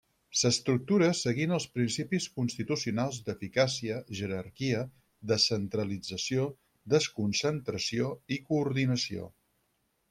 S'estructura seguint els principis constitucionals d'eficàcia, jerarquia, descentralització, desconcentració i coordinació.